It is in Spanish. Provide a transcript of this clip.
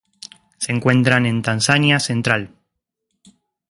Se encuentran en Tanzania central.